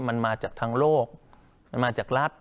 มันมาจากทางโลกมันมาจากรัฐ